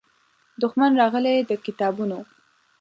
دښمن راغلی د کتابونو